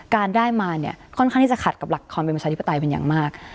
การได้มาเนี่ยค่อนข้างที่จะขัดกับหลักความเป็นประชาธิปไตยเป็นอย่างมาก